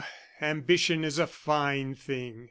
ambition is a fine thing!